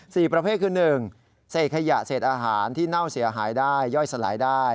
ประเภทคือหนึ่งเศษขยะเศษอาหารที่เน่าเสียหายได้ย่อยสลายได้